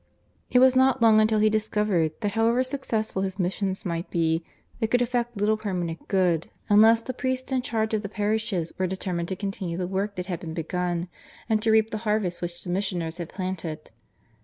It was not long until he discovered that, however successful his missions might be, they could effect little permanent good unless the priests in charge of the parishes were determined to continue the work that had been begun, and to reap the harvest which the missioners had planted.